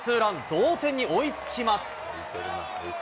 同点に追いつきます。